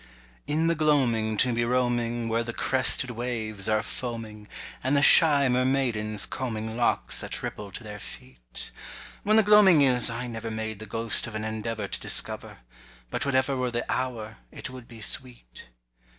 IN the Gloaming to be roaming, where the crested waves are foaming, And the shy mermaidens combing locks that ripple to their feet; When the Gloaming is, I never made the ghost of an endeavour To discover—but whatever were the hour, it would be sweet.